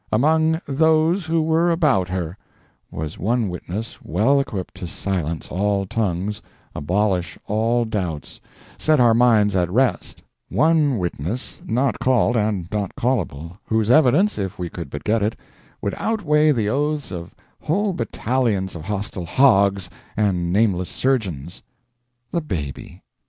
"Among those who were about her" was one witness well equipped to silence all tongues, abolish all doubts, set our minds at rest; one witness, not called, and not callable, whose evidence, if we could but get it, would outweigh the oaths of whole battalions of hostile Hoggs and nameless surgeons the baby.